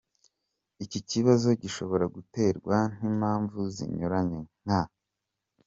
Iki kibazo gishobora guterwa n’impamvu zinyuranye nka:.